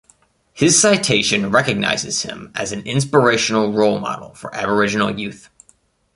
His citation recognizes him as an inspirational role model for Aboriginal youth.